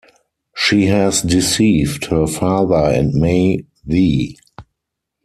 She has deceived her father and may thee.